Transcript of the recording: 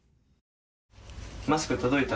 マスク、届いた？